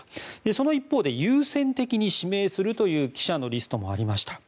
その一方で優先的に指名するという記者のリストもありました。